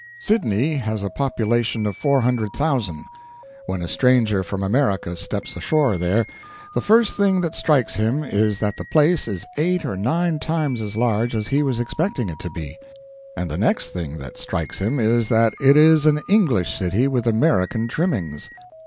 Sydney has a population of 400,000. When a stranger from America steps ashore there, the first thing that strikes him is that the place is eight or nine times as large as he was expecting it to be; and the next thing that strikes him is that it is an English city with American trimmings.